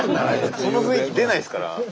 その雰囲気出ないですから。